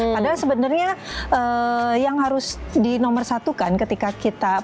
padahal sebenarnya yang harus dinomorsatukan ketika kita